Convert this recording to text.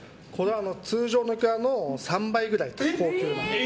通常のイクラの３倍くらい高級です。